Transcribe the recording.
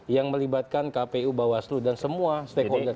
yang melibatkan kpu bawaslu dan semua stakeholder